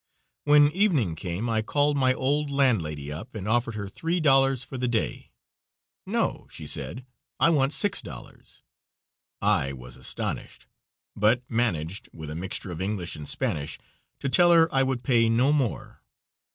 When evening came I called my old landlady up and offered her three dollars for the day. "No," she said, "I want six dollars." I was astonished, but managed with a mixture of English and Spanish to tell her I would pay no more.